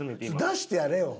出してやれよ。